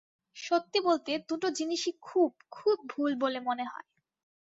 সত্যি বলতে, দুটো জিনিসই খুব, খুব ভুল বলে মনে হয়।